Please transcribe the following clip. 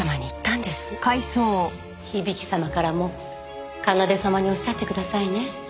響様からも奏様におっしゃってくださいね。